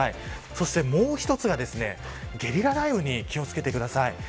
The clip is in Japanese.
そしてもう１つがゲリラ雷雨に気を付けてください。